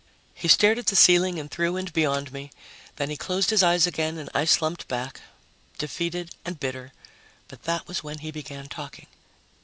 He stared at the ceiling and through and beyond me. Then he closed his eyes again and I slumped back, defeated and bitter but that was when he began talking.